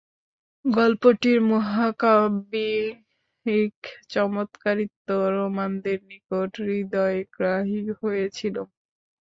গল্পটির মহাকাব্যিক চমৎকারিত্বই রোমানদের নিকট হৃদয়গ্রাহী হয়েছিল।